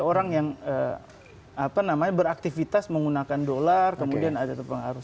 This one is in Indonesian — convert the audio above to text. orang yang beraktivitas menggunakan dolar kemudian ada terpengaruh